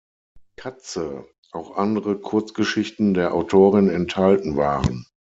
Katze" auch andere Kurzgeschichten der Autorin enthalten waren.